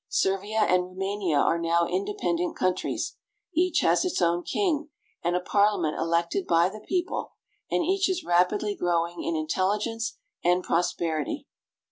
Servia and Roumania are now independent countries. Each has its own king and a Parliament elected by the people, and each is rapidly growing in intelligence and prosperity.